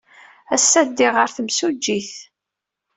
Ass-a, ddiɣ ɣer temsujjit.